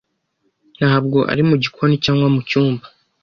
Ntabwo ari mu gikoni cyangwa mu cyumba.